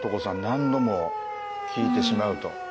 何度も聞いてしまうと。